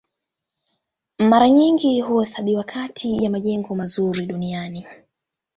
Mara nyingi huhesabiwa kati ya majengo mazuri duniani.